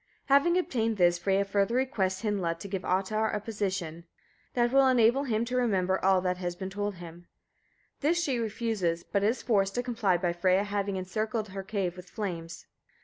Having obtained this, Freyia further requests Hyndla to give Ottar a potion (minnisol) that will enable him to remember all that has been told him. This she refuses, but is forced to comply by Freyia having encircled her cave with flames.